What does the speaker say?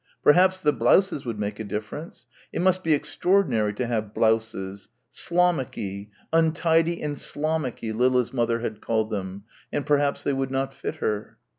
Perhaps the blouses would make a difference it must be extraordinary to have blouses.... Slommucky ... untidy and slommucky Lilla's mother had called them ... and perhaps they would not fit her....